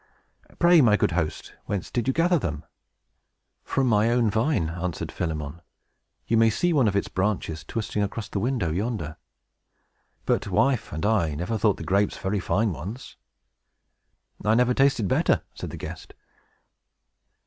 "Pray, my good host, whence did you gather them?" "From my own vine," answered Philemon. "You may see one of its branches twisting across the window, yonder. But wife and I never thought the grapes very fine ones." "I never tasted better," said the guest.